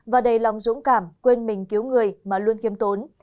và đầy lòng dũng cảm quên mình cứu người mà luôn khiêm tốn